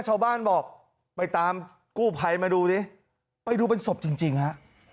ชาวบ้านบอกไปตามกู้ไพไปดูไปดูเป็นศพจริงฮะ